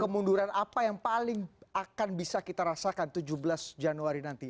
kemunduran apa yang paling akan bisa kita rasakan tujuh belas januari nanti